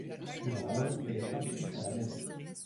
Vivant à Londres, elle est instruite à la maison.